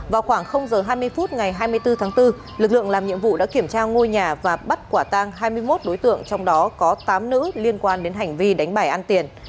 vào khoảng h hai mươi phút ngày hai mươi bốn tháng bốn lực lượng làm nhiệm vụ đã kiểm tra ngôi nhà và bắt quả tang hai mươi một đối tượng trong đó có tám nữ liên quan đến hành vi đánh bài ăn tiền